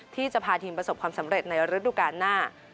ที่จะพาทีมประสบความสำเร็จในฤดูกาลหน้า